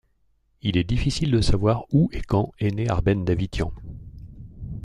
Il est difficile de savoir où et quand est né Arben Dawitian.